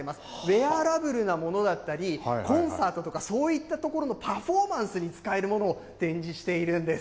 ウエアラブルなものだったり、コンサートとかそういったところのパフォーマンスに使えるものを展示しているんです。